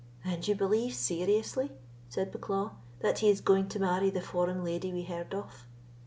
"And you believe seriously," said Bucklaw, "that he is going to marry the foreign lady we heard of?"